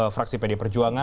fraksi pd perjuangan